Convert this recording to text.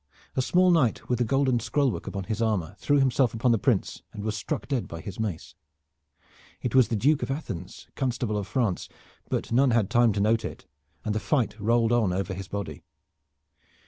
A small knight with golden scroll work upon his armor threw himself upon the Prince and was struck dead by his mace. It was the Duke of Athens, Constable of France, but none had time to note it, and the fight rolled on over his body.